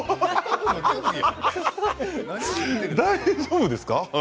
大丈夫ですか？